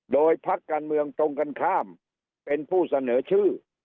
โดยพักการเมืองตรงกันข้ามเป็นผู้เสนอชื่อ